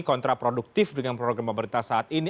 kontraproduktif dengan program pemerintah saat ini